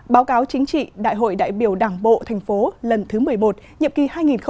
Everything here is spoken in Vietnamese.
báo cáo chính trị đại hội đại biểu đảng bộ thành phố lần thứ một mươi một nhiệm kỳ hai nghìn hai mươi hai nghìn hai mươi năm